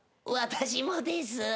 私もです。